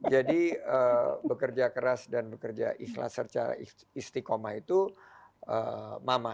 jadi bekerja keras dan bekerja ikhlas secara istiqomah itu mama